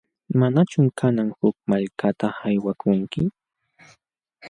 ¿Manachum kanan huk malkata aywakunki?